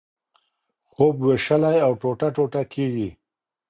خوب وېشلی او ټوټه ټوټه کېږي.